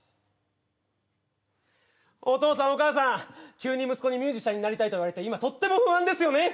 急に息子にミュージシャンになりたいと言われて今とっても不安ですよね？